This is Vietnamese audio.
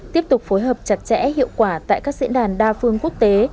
tiếp tục phối hợp chặt chẽ hiệu quả tại các diễn đàn đa phương quốc tế